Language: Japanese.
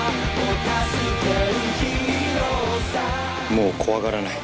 もう怖がらない。